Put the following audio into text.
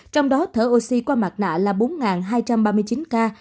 trong đó thở oxy qua mặt nạ là bốn hai trăm ba mươi chín ca